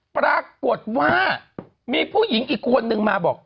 ปรากฏว่ามีผู้หญิงอีกคนนึงมาบอก